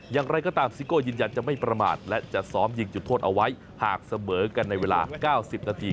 อย่างไรก็ตามซิโก้ยืนยันจะไม่ประมาทและจะซ้อมยิงจุดโทษเอาไว้หากเสมอกันในเวลา๙๐นาที